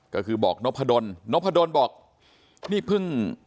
ก็คือบอกน๊อปพะดนบอกนี่พึ่ง